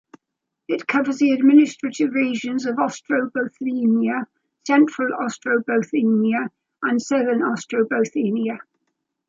It covers the administrative regions of Ostrobothnia, Central Ostrobothnia and Southern Ostrobothnia.